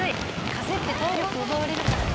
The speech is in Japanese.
風って体力奪われるからね。